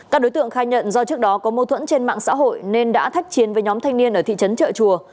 các đối tượng khai nhận do trước đó có mâu thuẫn trên mạng xã hội nên đã thách chiến với nhóm thanh niên ở thị trấn trợ chùa